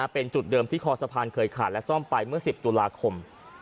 เป็นจุดเดิมที่คอสะพานเคยขาดและซ่อมไปเมื่อ๑๐ตุลาคม